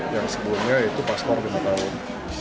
yang sebelumnya itu paspor lima tahun